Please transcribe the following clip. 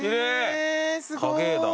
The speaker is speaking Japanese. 影絵だ。